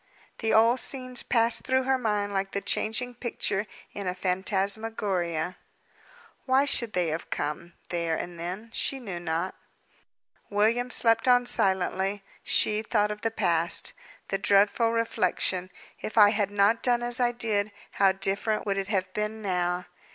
The old scenes passed through her mind like the changing picture in a phantasmagoria. Why should they have come, there and then? She knew not. William slept on silently; she thought of the past. The dreadful reflection, "If I had not done as I did, how different would it have been now!"